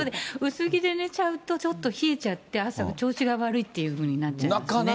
薄着で寝ちゃうとちょっと冷えちゃって、朝調子が悪いってなっちゃいますね。